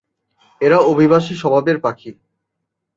এরা অভিবাসী স্বভাবের পাখি।